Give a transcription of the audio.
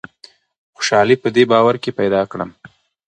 خوشالي په دې باور کې پیدا کړم.